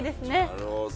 なるほど。